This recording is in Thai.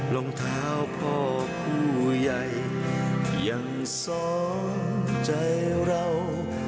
รองเท้าพ่อผู้ใหญ่ยังสองใจเรา